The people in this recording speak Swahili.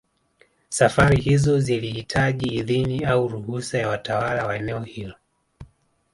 Safari hizo zilihitaji idhini au ruhusa ya watawala wa eneo hilo